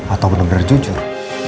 atau bener bener jujur